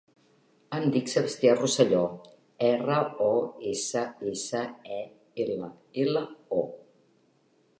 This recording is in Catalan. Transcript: Em dic Sebastian Rossello: erra, o, essa, essa, e, ela, ela, o.